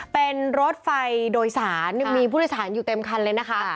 เป็นรถไฟโดยสารยังมีผู้โดยสารอยู่เต็มคันเลยนะคะ